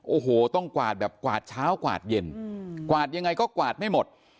โอ้โหต้องกวาดแบบกวาดเช้ากวาดเย็นกวาดยังไงก็กวาดไม่หมด